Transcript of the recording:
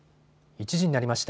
１時になりました。